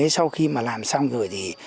sau khi mà làm xong rồi thì